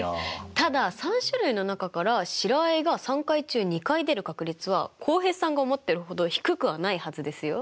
ただ３種類の中から白あえが３回中２回出る確率は浩平さんが思ってるほど低くはないはずですよ。